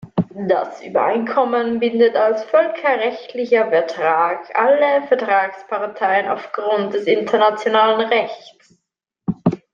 Das Übereinkommen bindet als völkerrechtlicher Vertrag alle Vertragsparteien aufgrund des internationalen Rechts.